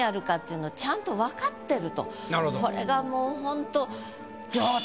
これがもうホント。